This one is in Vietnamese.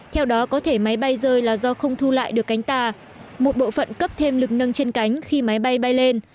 theo đó có thể máy bay rơi là do không thu lại được cánh tả một bộ phận cấp thêm lực nâng trên cánh khi máy bay bay lên